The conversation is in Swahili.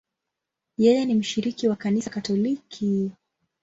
Yeye ni mshiriki wa Kanisa Katoliki.